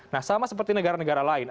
nah sama seperti negara negara lain